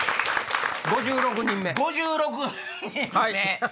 ５６人目！